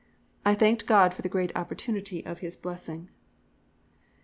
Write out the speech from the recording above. I thanked God for the great opportunity of His blessings.